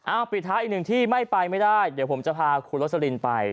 เอาปิดท้ายอีกหนึ่งที่ไม่ไปไม่ได้เดี๋ยวผมจะพาคุณโรสลินไป